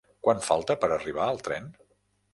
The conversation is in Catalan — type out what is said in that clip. Quant falta per a arribar el tren?